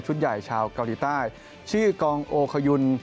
ใหญ่ชาวเกาหลีใต้ชื่อกองโอคยุน